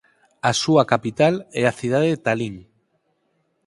A súa capital é a cidade de Talín.